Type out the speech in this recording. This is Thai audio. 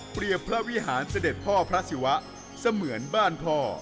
พระวิหารเสด็จพ่อพระศิวะเสมือนบ้านพ่อ